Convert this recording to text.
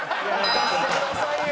出してくださいよ